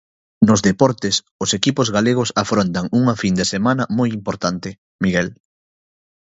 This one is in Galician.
Nos deportes, os equipos galegos afrontan unha fin de semana moi importante, Miguel.